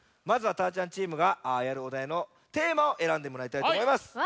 まずはたーちゃんチームがやるおだいのテーマをえらんでもらいたいとおもいます。